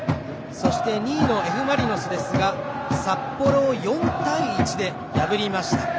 そして、２位のＦ・マリノスは札幌を４対１で破りました。